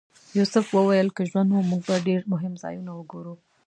یوسف وویل که ژوند و موږ به ډېر مهم ځایونه وګورو.